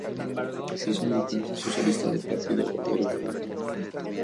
Se hizo militante socialista del Partido Obrero Belga.